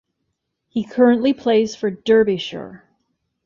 He currently plays for Derbyshire.